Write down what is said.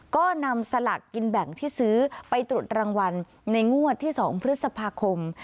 ก็นำสลากกินแบ่งที่ซื้อไปตรวจรางวัลในงวดที่๒พฤษภาคม